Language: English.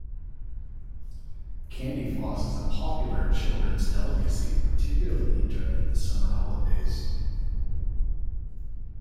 Candyfloss is a popular children's delicacy, particularly during the summer holidays